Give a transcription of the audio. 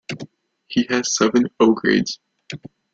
"He has seven O-Grades".